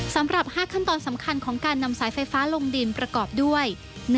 สำหรับ๕ขั้นตอนสำคัญของการนำสายไฟฟ้าลงดินประกอบด้วย